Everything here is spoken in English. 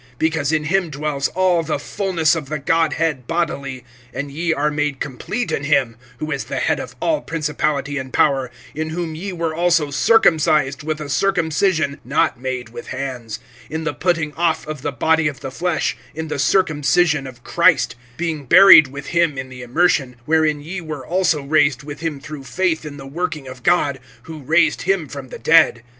(9)Because in him dwells all the fullness of the Godhead bodily. (10)And ye are made complete in him[2:10], who is the head of all principality and power; (11)in whom ye were also circumcised with a circumcision not made with hands, in the putting off of the body of the flesh, in the circumcision of Christ; (12)being buried with him in the immersion, wherein ye were also raised with him through faith in the working of God, who raised him from the dead.